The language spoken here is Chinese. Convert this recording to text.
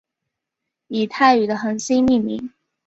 以泰语的恒星命名。